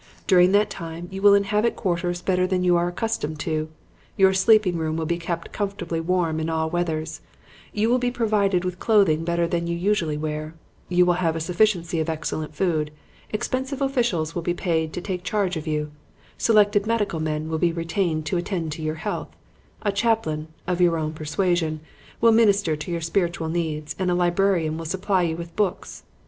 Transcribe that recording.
During that time you will inhabit quarters better than you are accustomed to; your sleeping room will be kept comfortably warm in all weathers; you will be provided with clothing better than you usually wear; you will have a sufficiency of excellent food; expensive officials will be paid to take charge of you; selected medical men will be retained to attend to your health; a chaplain (of your own persuasion) will minister to your spiritual needs and a librarian will supply you with books.